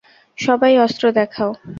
সবাই অস্ত্র দেখাও!